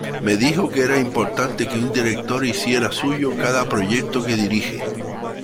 Me dijo que era importante que un director hiciera suyo cada proyecto que dirige.